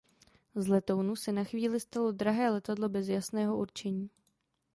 Z letounu se na chvíli stalo drahé letadlo bez jasného určení.